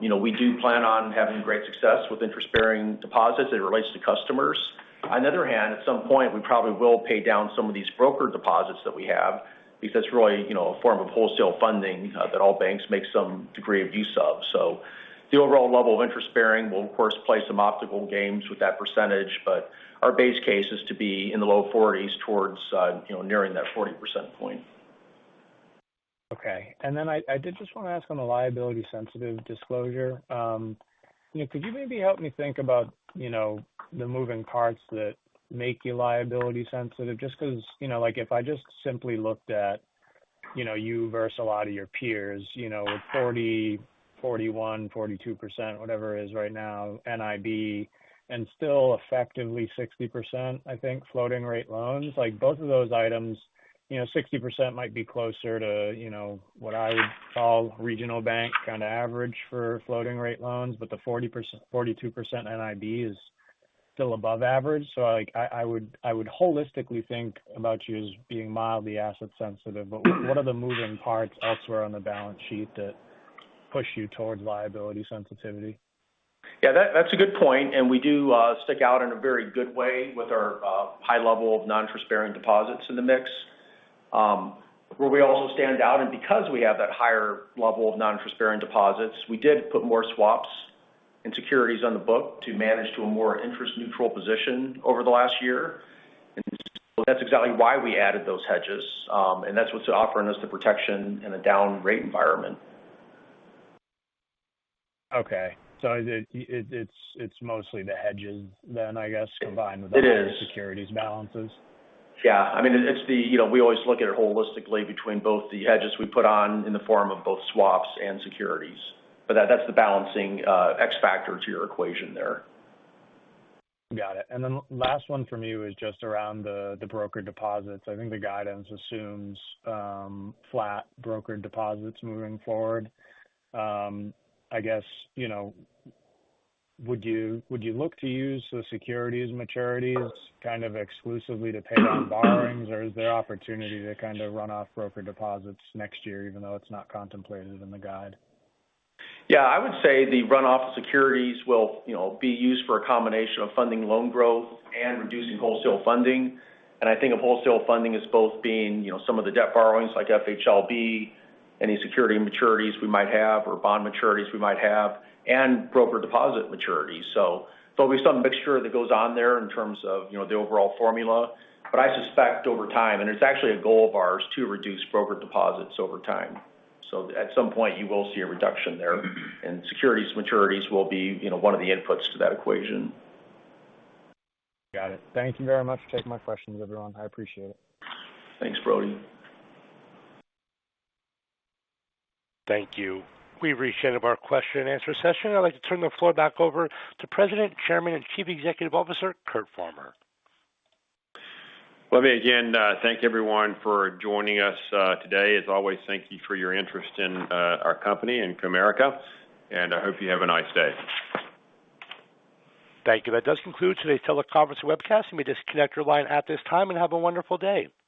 you know, we do plan on having great success with interest-bearing deposits as it relates to customers. On the other hand, at some point, we probably will pay down some of these broker deposits that we have because that's really, you know, a form of wholesale funding that all banks make some degree of use of. So the overall level of interest bearing will, of course, play some optical games with that percentage, but our base case is to be in the 40% towards, you know, nearing that 40% point. Okay. And then I did just want to ask on the liability sensitive disclosure. You know, could you maybe help me think about, you know, the moving parts that make you liability sensitive? because, you know, like, if I just simply looked at, you know, you versus a lot of your peers, you know, with 40%, 41%, 42%, whatever it is right now, NIM, and still effectively 60%, I think, floating rate loans, like, both of those items, you know, 60% might be closer to, you know, what I would call regional bank, kind of, average for floating rate loans, but the 40%-42% NIM is still above average. So I would holistically think about you as being mildly asset sensitive. But what are the moving parts elsewhere on the balance sheet that push you towards liability sensitivity? Yeah, that's a good point, and we do stick out in a very good way with our high level of non-interest-bearing deposits in the mix. Where we also stand out, and because we have that higher level of non-interest-bearing deposits, we did put more swaps and securities on the book to manage to a more interest neutral position over the last year. And so that's exactly why we added those hedges, and that's what's offering us the protection in a down rate environment. Okay. So it's mostly the hedges then, I guess, combined with. It is. The securities balances. Yeah. I mean, it's the, you know, we always look at it holistically between both the hedges we put on in the form of both swaps and securities. But that's the balancing X factor to your equation there. Got it. And then last one from you is just around the brokered deposits. I think the guidance assumes flat brokered deposits moving forward. I guess, you know, would you look to use the securities maturities kind of exclusively to pay down borrowings, or is there opportunity to kind of run off brokered deposits next year, even though it's not contemplated in the guide? Yeah, I would say the runoff of securities will, you know, be used for a combination of funding loan growth and reducing wholesale funding. And I think of wholesale funding as both being, you know, some of the debt borrowings, like FHLB, any security maturities we might have, or bond maturities we might have, and brokered deposit maturities. So there'll be some mixture that goes on there in terms of, you know, the overall formula, but I suspect over time, and it's actually a goal of ours, to reduce brokered deposits over time. So at some point, you will see a reduction there, and securities maturities will be, you know, one of the inputs to that equation. Got it. Thank you very much for taking my questions, everyone. I appreciate it. Thanks, Brody. Thank you. We've reached the end of our question and answer session. I'd like to turn the floor back over to President, Chairman, and Chief Executive Officer, Curt Farmer. Let me again, thank everyone for joining us, today. As always, thank you for your interest in, our company and Comerica, and I hope you have a nice day. Thank you. That does conclude today's teleconference webcast. You may disconnect your line at this time and have a wonderful day.